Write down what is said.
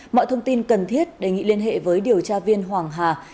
mọi thông tin cần thiết đề nghị liên hệ với điều tra viên hoàng hà